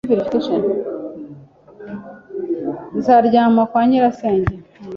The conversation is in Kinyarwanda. Nzaryama kwa nyirasenge.